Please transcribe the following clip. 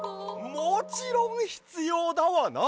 もちろんひつようだわな！